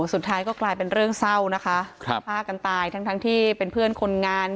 สุดท้ายก็กลายเป็นเรื่องเศร้านะคะครับฆ่ากันตายทั้งทั้งที่เป็นเพื่อนคนงาน